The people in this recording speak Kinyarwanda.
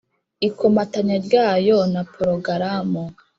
ikomatanya ryayo na porogaramu